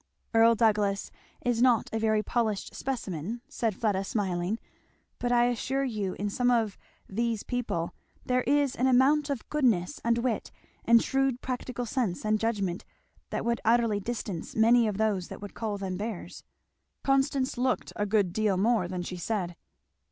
"Earl Douglass is not a very polished specimen," said Fleda smiling, "but I assure you in some of 'these people' there is an amount of goodness and wit, and shrewd practical sense and judgment, that would utterly distance many of those that would call them bears." Constance looked a good deal more than she said.